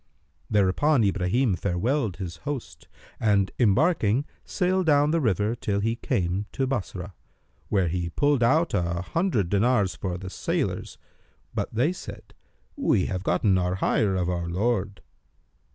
Thereupon Ibrahim farewelled his host and embarking, sailed down the river till he came to Bassorah, where he pulled out an hundred dinars for the sailors, but they said, "We have gotten our hire of our lord."